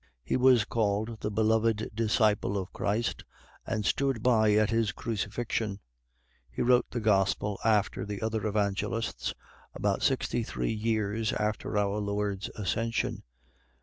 He was called the Beloved disciple of Christ and stood by at his Crucifixion. He wrote the Gospel after the other Evangelists, about sixty three years after our Lord's Ascension.